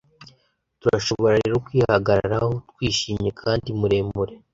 Turashobora rero kwihagararaho twishimye kandi muremure